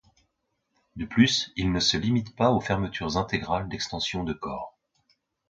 De plus, ils ne se limitent pas aux fermetures intégrales d'extensions de corps.